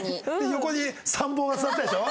横に参謀が座ってたでしょ？